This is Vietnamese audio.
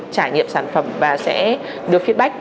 trải nghiệm sản phẩm và sẽ đưa feedback